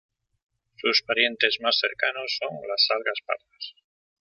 Sus parientes más cercanos son las algas pardas.